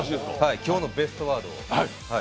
今日のベストワード。